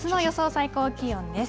最高気温です。